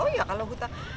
oh iya kalau hutang